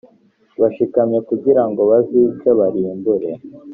bashikamye kugira ngo bazice barimbure